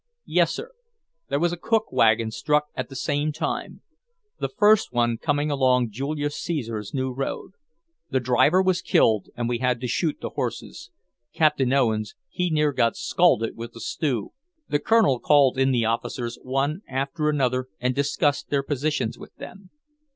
"Yes, sir. There was a cook wagon struck at the same time; the first one coming along Julius Caesar's new road. The driver was killed, and we had to shoot the horses. Captain Owens, he near got scalded with the stew." The Colonel called in the officers one after another and discussed their positions with them.